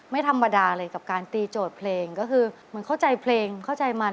ไม่ธรรมดาเลยกับการตีโจทย์เพลงก็คือเหมือนเข้าใจเพลงเข้าใจมัน